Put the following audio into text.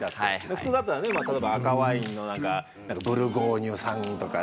普通だったら例えば赤ワインのブルゴーニュ産とかね。